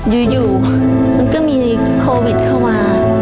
อยู่มันก็มีโควิดเข้ามา